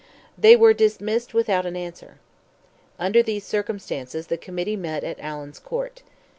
They were "dismissed without an answer." Under these circumstances, the Committee met at Allen's Court.